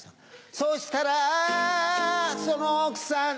そしたらその奥さん